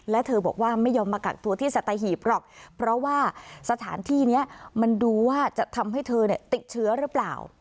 และเธอบอกว่าไม่ยอมมากักตัวที่สัตหีบหรอกเพราะว่าสถานที่นี้มันดูว่าจะทำให้เธอติดเชื้อหรือเปล่า